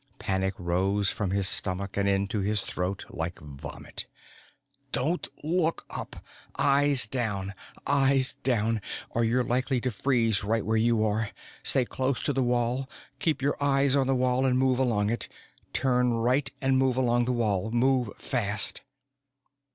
Panic rose from his stomach and into his throat like vomit. _Don't look up. Eyes down, eyes down or you're likely to freeze right where you are. Stay close to the wall, keep your eyes on the wall and move along it. Turn right and move along the wall. Move fast.